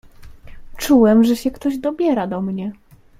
"Czułem, że się ktoś dobiera do mnie."